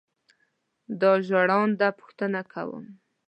دا ژړاند پوښتنه کوم.